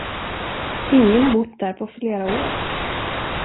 Ingen har bott där på flera år.